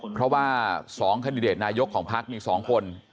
เพราะว่า๒คันดิเดตนายกของพักมี๒คน